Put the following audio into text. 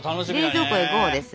冷蔵庫へＧＯです。